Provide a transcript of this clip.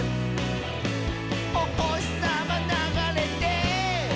「おほしさまながれて」